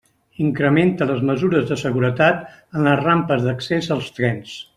Incrementa les mesures de seguretat en les rampes d'accés als trens.